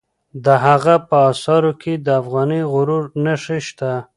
د هغه په آثارو کې د افغاني غرور نښې شته.